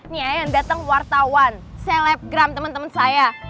nih aja yang dateng wartawan selebgram temen temen saya